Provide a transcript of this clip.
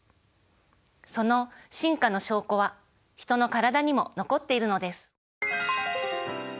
その進化の証拠はヒトの体にも残っているのです。